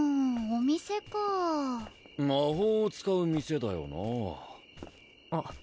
お店かあ魔法を使う店だよなあっ